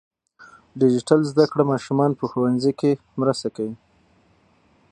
ډیجیټل زده کړه ماشومان په ښوونځي کې مرسته کوي.